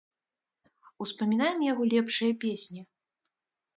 Успамінаем яго лепшыя песні.